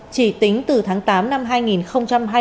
chỉ tính từ tháng tám năm hai nghìn hai mươi ba